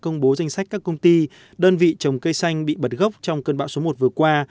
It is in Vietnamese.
công bố danh sách các công ty đơn vị trồng cây xanh bị bật gốc trong cơn bão số một vừa qua